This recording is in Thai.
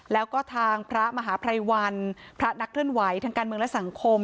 แล้วก็ทางพระมหาภัยวันพระนักเคลื่อนไหวทางการเมืองและสังคม